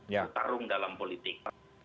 bertarung dalam politik